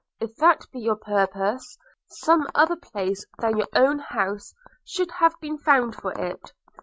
If that be your purpose, some other place than your own house should have been found for it.